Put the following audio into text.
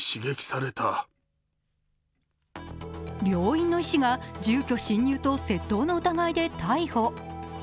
病院の医師が住居侵入と窃盗の疑いで逮捕。